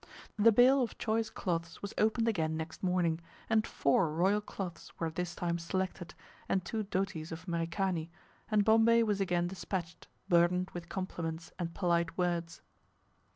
The bale of choice cloths was opened again next morning, and four royal cloths were this time selected, and two dotis of Merikani, and Bombay was again despatched, burdened with compliments, and polite words.